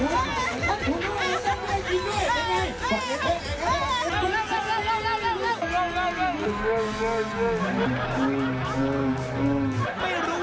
ไม่รู้ว่างานนี้คนนวดหรือคนกินจะฟินกว่ากันหรือครับ